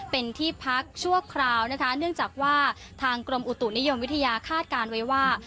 เป็นที่พักชั่วคราวนะคะเนื่องจากว่าทางกรมอุตุนิยมวิทยาคาดการณ์ไว้ว่า